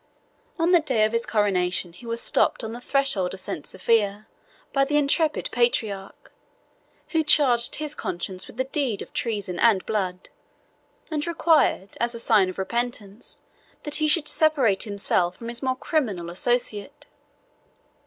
On the day of his coronation, he was stopped on the threshold of St. Sophia, by the intrepid patriarch; who charged his conscience with the deed of treason and blood; and required, as a sign of repentance, that he should separate himself from his more criminal associate.